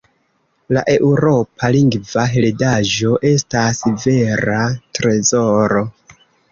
La eŭropa lingva heredaĵo estas vera trezoro.